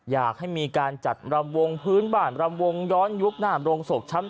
อยากให้มีการจัดรำวงพื้นบ้านรำวงย้อนยุคหน้ามโรงศพชั้น๓